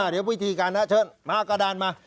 เดี๋ยววิธีการนะเชิญมากระดานมา